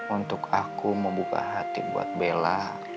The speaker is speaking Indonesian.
untuk aku membuka hati buat bella